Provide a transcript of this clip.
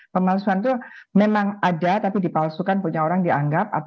pemalsuan itu memang ada tapi dipalsukan punya orang dianggap